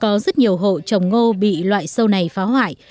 có rất nhiều hộ trồng ngô bị loại sâu này phá hoại